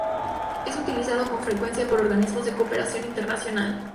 Es utilizado con frecuencia por organismos de cooperación internacional.